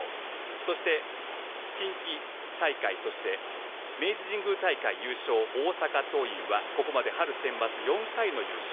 そして近畿大会明治神宮大会優勝の大阪桐蔭はここまで春センバツ４回の優勝。